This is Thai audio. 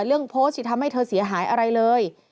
เรื่องโพสต์ที่ทำให้เธอเสียหายอะไรเลย